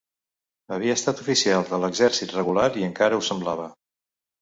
Havia estat oficial de l'Exèrcit Regular, i encara ho semblava